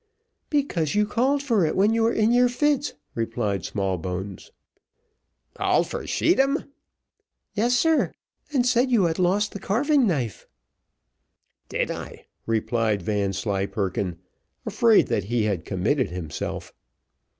"Because you called for it when you were in your fits," replied Smallbones. "Called for scheedam?" "Yes, sir, and said you had lost the carving knife." "Did I?" replied Vanslyperken, afraid that he had committed himself.